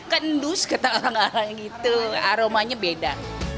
kan endus kata orang orang gitu aromanya beda